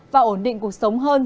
và ổn định cuộc sống hơn